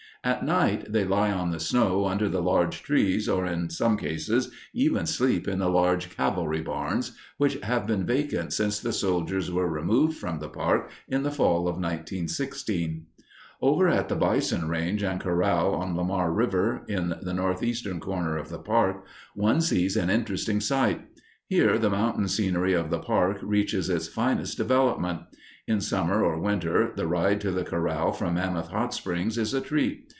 At night they lie on the snow under the large trees, or, in some cases, even sleep in the large cavalry barns, which have been vacant since the soldiers were removed from the park in the fall of 1916. Over at the bison range and corral on Lamar River, in the northeastern corner of the park, one sees an interesting sight. Here the mountain scenery of the park reaches its finest development. In summer or winter the ride to the corral from Mammoth Hot Springs is a treat.